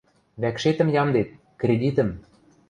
Вӓкшетӹм ямдет, кредитӹм...